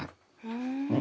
ふん。